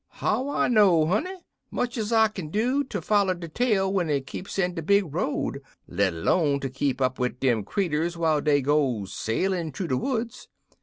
"How I know, honey? Much ez I kin do ter foller de tale when it keeps in de big road, let 'lone ter keep up wid dem creeturs whiles dey gone sailin' thoo de woods.